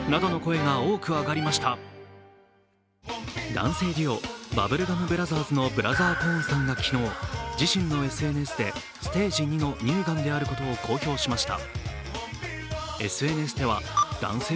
男性デュオ、バブルガムブラザーズのブラザー・コーンさんが昨日、自身のＳＮＳで、ステージ２の乳がんであることを公表しました。